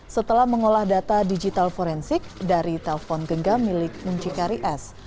setelah mengolah data digital forensik dari telpon genggam milik muncikari s